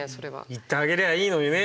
言ってあげりゃいいのにね。